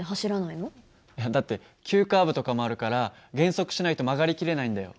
いやだって急カーブとかもあるから減速しないと曲がりきれないんだよ。